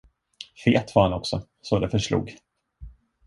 Fet var han också, så det förslog.